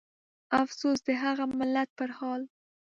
افسوس د هغه ملت پرحال